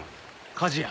火事や。